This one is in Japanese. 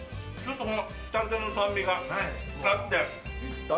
タルタルの酸味があって。